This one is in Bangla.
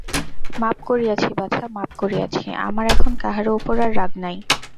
মাপ করিয়াছি বাছা, মাপ করিয়াছি, আমার এখন কাহারো উপর আর রাগ নাই।